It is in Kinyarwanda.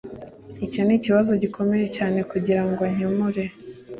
Icyo nikibazo gikomeye cyane kugirango nkemure